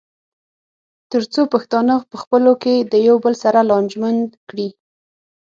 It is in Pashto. تر څو پښتانه پخپلو کې د یو بل سره لانجمن کړي.